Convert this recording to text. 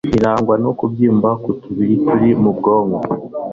irangwa no kubyimba kutubiri turi mu bwonko